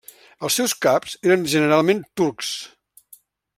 Els seus caps eren generalment turcs.